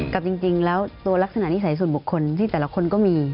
กับจริงแล้วตัวลักษณะนิสัยส่วนบุคคลที่แต่ละคนก็มี